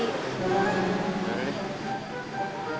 ya udah deh